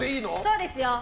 そうですよ。